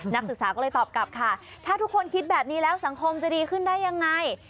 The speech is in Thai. นักศึกษาก็เลยตอบกลับค่ะถ้าทุกคนคิดแบบนี้แล้วสังคมจะดีขึ้นได้ยังไง